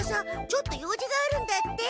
ちょっと用事があるんだって。